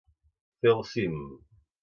Fer el cim.